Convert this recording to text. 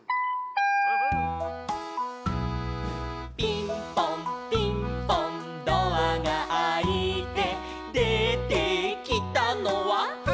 「ピンポンピンポンドアがあいて」「出てきたのは」